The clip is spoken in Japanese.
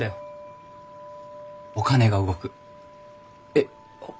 えっ？